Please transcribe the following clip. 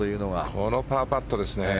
このパーパットですね。